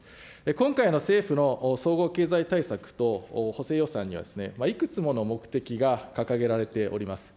今回の政府の総合経済対策と補正予算には、いくつもの目的が掲げられております。